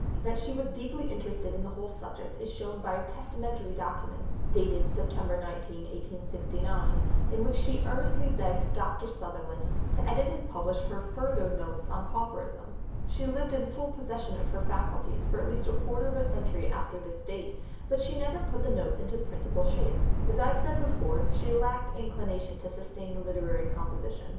That she was deeply interested in the whole subject is shown by a testamentary document, dated September 19, 1869, in which she earnestly begged Dr. Sutherland to edit and publish her further "Notes on Pauperism." She lived in full possession of her faculties for at least a quarter of a century after this date, but she never put the Notes into printable shape. As I have said before, she lacked inclination to sustained literary composition.